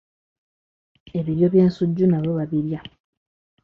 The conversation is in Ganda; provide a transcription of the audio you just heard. Ebiryo by'ensujju nabyo babirya.